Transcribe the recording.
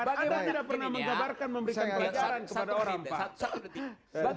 bagaimana menggabarkan memberikan pelajaran kepada orang pak